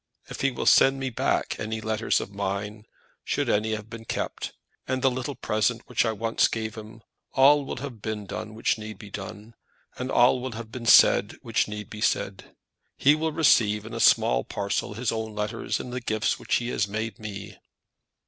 If he will send me back any letters of mine, should any have been kept, and the little present which I once gave him, all will have been done which need be done, and all have been said which need be said. He will receive in a small parcel his own letters and the gifts which he has made me."